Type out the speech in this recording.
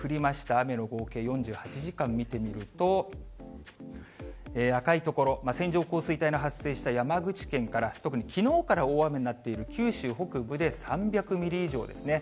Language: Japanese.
雨の合計、４８時間見てみると、赤い所、線状降水帯の発生した山口県から、特にきのうから大雨になっている九州北部で３００ミリ以上ですね。